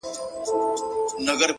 اوس و شپې ته هيڅ وارخطا نه يمه-